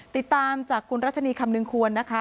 ติดตามจากคุณรัชนีคำนึงควรนะคะ